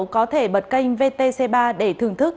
có thể bật kênh vtc ba để thưởng thức